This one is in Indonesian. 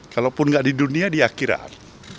kalaupun nggak di dunia di akhirat